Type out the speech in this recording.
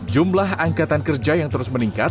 jumlah angkatan kerja yang terus meningkat